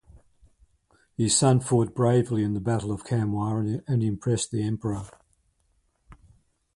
His son fought bravely in the battle of Khanwa and impressed the Emperor.